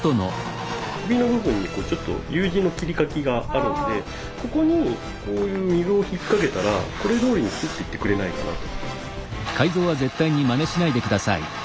首の部分にちょっとＵ字の切り欠きがあるのでここにこういう溝を引っ掛けたらこれどおりにスッていってくれないかなと。